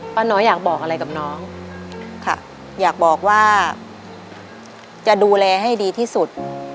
ป้าน้อยอยากบอกอะไรกับน้องค่ะอยากบอกว่าจะดูแลให้ดีที่สุด